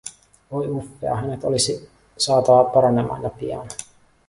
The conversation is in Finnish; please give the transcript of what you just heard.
Voi Uffea, hänet olisi saatava paranemaan ja pian.